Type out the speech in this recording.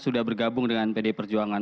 sudah bergabung dengan pd perjuangan